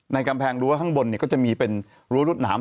กำแพงรั้วข้างบนก็จะมีเป็นรั้วรวดหนาม